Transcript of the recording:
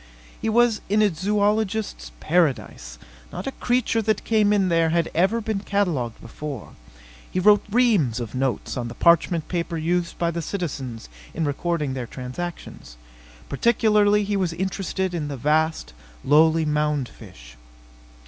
He was in a zoologist's paradise. Not a creature that came in there had ever been catalogued before. He wrote reams of notes on the parchment paper used by the citizens in recording their transactions. Particularly was he interested in the vast, lowly mound fish.